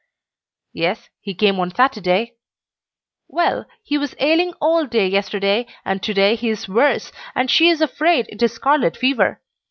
"Yes, he came on Saturday." "Well, he was ailing all day yesterday, and to day he is worse, and she is afraid it is scarlet fever.